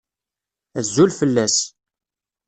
Azul fell-as.